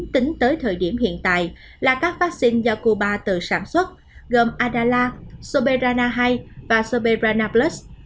tính tới thời điểm hiện tại là các vaccine do cuba tự sản xuất gồm adala soberana hai và soberana plus